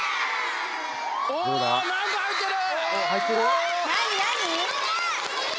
お何か入ってる！